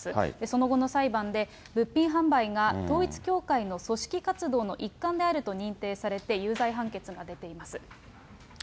その後の裁判で、物品販売が統一教会の組織活動の一環であると認定されて、有罪判決が出ています。